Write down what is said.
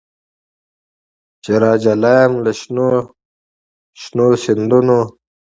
چي راجلا یم له شنو سیندونو